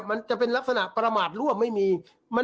แล้วก็บอกด้วยนะบอกว่าตอนนี้นะ